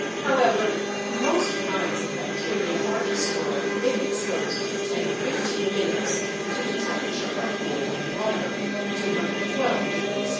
However, most kinds of bacteria are destroyed if exposed for ten or fifteen minutes to the temperature of boiling water (212° F.)